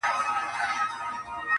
جنازې دي چي ډېرېږي د خوارانو!